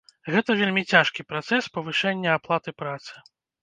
Гэта вельмі цяжкі працэс павышэння аплаты працы.